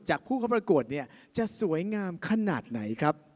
ผู้เข้าประกวดเนี่ยจะสวยงามขนาดไหนครับ